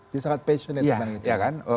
dia sangat passionate tentang itu